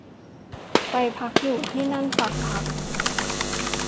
ไปอยู่ที่นั่นสักพัก